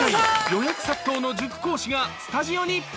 予約殺到の塾講師がスタジオに。